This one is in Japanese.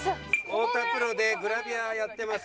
太田プロでグラビアやってます。